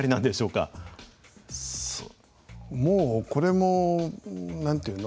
もうこれも何ていうの？